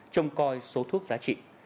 trong coi số thuốc giá trị